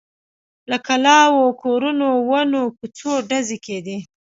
له کلاوو، کورونو، ونو، کوڅو… ډزې کېدې.